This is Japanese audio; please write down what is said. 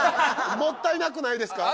もったいなくないですか？